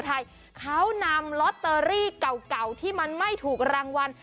ไทยเขานำลอตเตอรี่เก่าที่มันไม่ถูกรางวัล